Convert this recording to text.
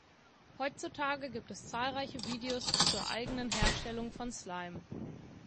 Heutzutage gibt es zahlreiche Videos zur eigenen Herstellung von Slime.